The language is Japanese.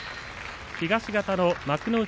東方の幕内